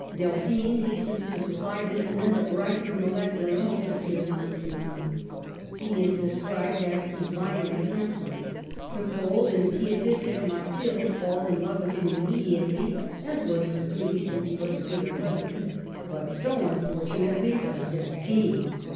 Delphine hastens to supply this, and then the bridegroom elect, L6once, appears on the scene. He is described as di vinely handsome. The cold and pietistic Mathilde falls in love with him immediately (as was her duty, since he was to be her husband), but so, unfortunately, does Delphine.